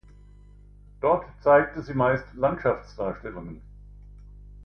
Dort zeigte sie meist Landschaftsdarstellungen.